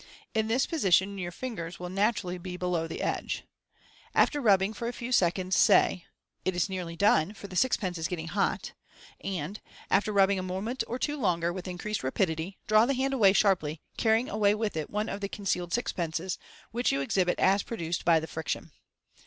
In this position your fingers will naturally be below the edge. After rubbing for a few seconds, say, * It is nearly done, for the sixpence is getting hot jM and, after rubbing a moment or two longer with increased rapidity, draw the hand away sharply, carrying away with it one of the concealed sixpences, which, you exhibit as produced by the friction.